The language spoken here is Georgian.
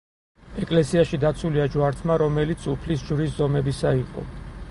ეკლესიაში დაცულია ჯვარცმა, რომელიც უფლის ჯვრის ზომებისა იყო.